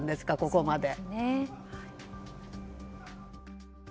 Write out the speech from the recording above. ここまで。